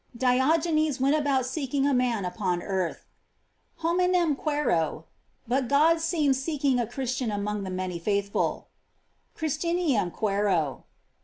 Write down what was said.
"f Diogenes went about seeking a man upon earth: "Hominem quaero;" but God seems seek ing a Christian among the many faithful: "Chris tianum qusero."